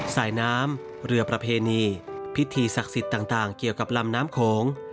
สายน้ำเรือประเพณีพิธีศักดิ์สิทธิ์ต่างเกี่ยวกับลำน้ำโขง